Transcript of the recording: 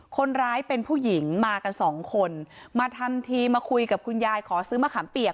คนร้ายเป็นผู้หญิงมากันสองคนมาทำทีมาคุยกับคุณยายขอซื้อมะขามเปียก